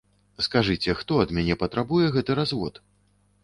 Скажыце, хто ад мяне патрабуе гэты развод?